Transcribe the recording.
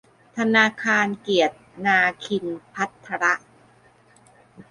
ธนาคารเกียรตินาคินภัทร